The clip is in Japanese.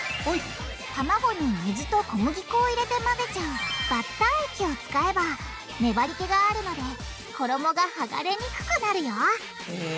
卵に水と小麦粉を入れて混ぜちゃうバッター液を使えば粘りけがあるので衣がはがれにくくなるよへぇ。